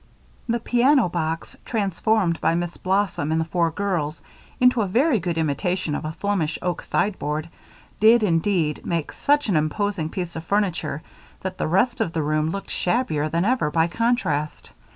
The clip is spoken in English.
The piano box, transformed by Miss Blossom and the four girls into a very good imitation of a Flemish oak sideboard, did indeed make such an imposing piece of furniture that the rest of the room looked shabbier than ever by contrast.